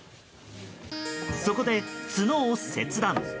そこで角を切断。